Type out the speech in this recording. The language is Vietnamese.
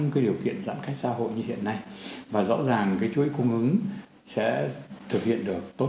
cái điều kiện giãn cách xã hội như hiện nay và rõ ràng cái chuỗi cung ứng sẽ thực hiện được tốt